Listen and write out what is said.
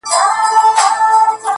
• چی تل پایی باک یې نسته له ژوندونه,